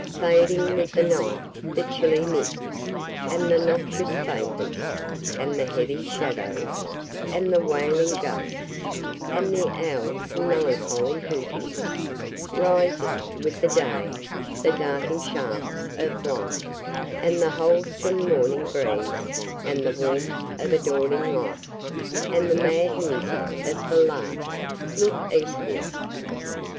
"Fading, with the Night, the chilly mists, and the noxious vapours, and the heavy shadows, and the wailing gusts, and the owl's melancholy hootings: rising, with the Day, the darting shafts of light, and the wholesome morning breeze, and the warmth of a dawning life, and the mad music of the lark! Look Eastward!